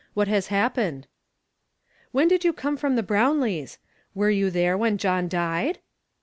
What has happened ?"" When did you come from the Brownlees' ? Were you there when John died